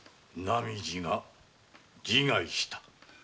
浪路が自害した。